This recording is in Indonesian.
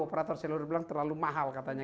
operator seluruh bilang terlalu mahal katanya